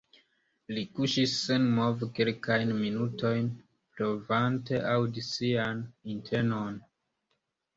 Li kuŝis senmove kelkajn minutojn, provante aŭdi sian internon.